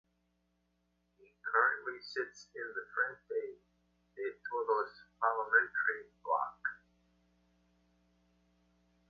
He currently sits in the Frente de Todos parliamentary bloc.